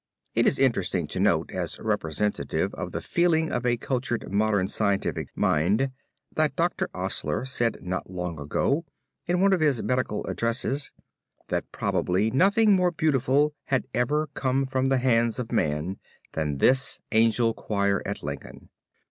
It is interesting to note as representative of the feeling of a cultured modern scientific mind that Dr. Osler said not long ago, in one of his medical addresses, that probably nothing more beautiful had ever come from the hands of man than this Angel Choir at Lincoln.